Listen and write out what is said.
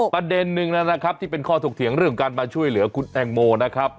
ประเด็นนึงนะครับที่เป็นข้อถกเถียงเรื่องการมาช่วยเหลือคุณแตงโมนะครับ